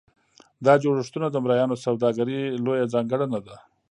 دا جوړښتونه د مریانو سوداګري لویه ځانګړنه وه.